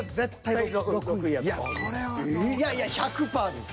いやいや１００％です